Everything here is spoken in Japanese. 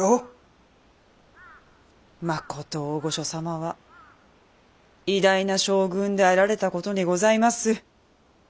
まこと大御所様は偉大な将軍であられたことにございます。